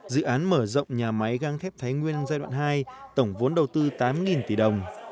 dự án mở rộng nhà máy găng thép thái nguyên giai đoạn hai tổng vốn đầu tư tám tỷ đồng